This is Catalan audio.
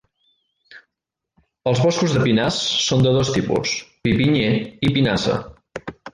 Els boscos de pinars són de dos tipus: pi pinyer i pinassa.